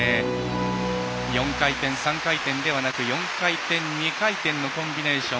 ４回転、３回転ではなく４回転、２回転のコンビネーション。